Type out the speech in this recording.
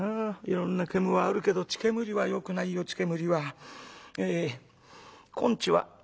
いろんな煙はあるけど血煙はよくないよ血煙は。えこんちは」。